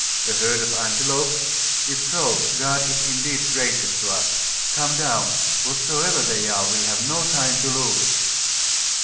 'A herd of antelopes? If so, God is indeed gracious to us! Come down whatsoever they are, we have no time to lose.